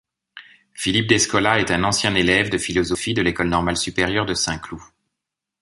Philippe Descola est un ancien élève de philosophie de l'École normale supérieure de Saint-Cloud.